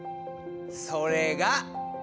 それが。